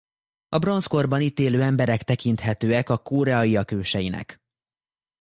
A bronzkorban itt élő emberek tekinthetőek a koreaiak őseinek.